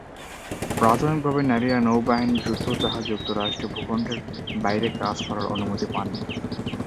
প্রাথমিক ভাবে নারীরা নৌবাহিনীর যুদ্ধ জাহাজ যুক্তরাষ্ট্র ভূখণ্ডের বাইরে কাজ করার অনুমতি পাননি।